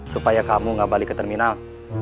supaya kamu gak balik ke terminal